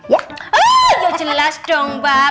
ya jelas dong mbak